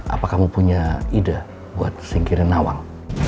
apa kamu punya ide buat singkiran nawang